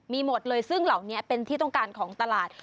มีหมดเลยซึ่งเหล่านี้เป็นที่ต้องการของตลาด